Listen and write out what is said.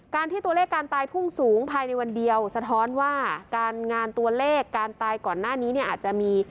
ที่ตัวเลขการตายพุ่งสูงภายในวันเดียวสะท้อนว่าการงานตัวเลขการตายก่อนหน้านี้เนี่ยอาจจะมี